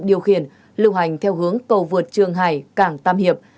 điều khiển lưu hành theo hướng cầu vượt trường hải cảng tam hiệp